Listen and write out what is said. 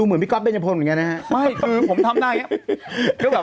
อ๋อนึกได้มั้ยคะ